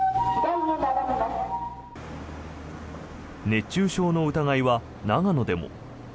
熱中症の疑いは長野でも。